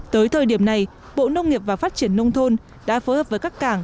tới thời điểm này bộ nông nghiệp và phát triển nông thôn đã phối hợp với các cảng